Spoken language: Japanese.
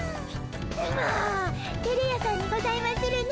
もうてれ屋さんにございまするな。